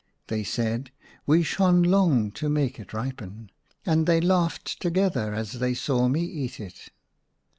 They said, " We shone long to make it ripen," and they laughed together as they saw me eat it.